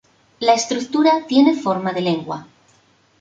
La estructura tiene forma de lengua.